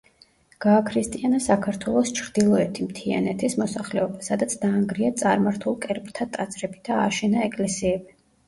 გააქრისტიანა საქართველოს ჩრდილოეთი მთიანეთის მოსახლეობა, სადაც დაანგრია წარმართულ კერპთა ტაძრები და ააშენა ეკლესიები.